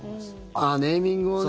ああ、ネーミングをね。